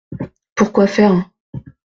Pour quoi faire ?